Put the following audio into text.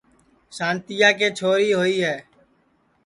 سانتِیا کے چھوری ہوئی ہے